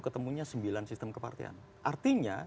ketemunya sembilan sistem kepartian artinya